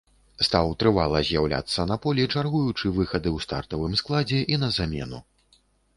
Стаў трывала з'яўляцца на полі, чаргуючы выхады ў стартавым складзе і на замену.